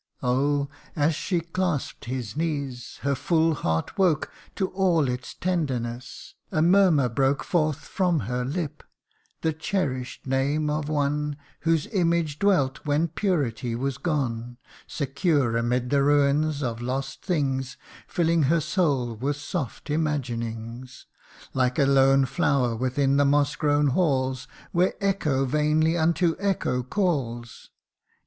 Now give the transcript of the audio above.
Oh ! as she clasp'd his knees, her full heart woke To all its tenderness a murmur broke Forth from her lip ; the cherish 'd name of one Whose image dwelt when purity was gone, Secure amid the ruins of lost things, Filling her soul with soft imaginings, 80 THE UNDYING ONE. Like a lone flower within the moss grown halls Where echo vainly unto echo calls.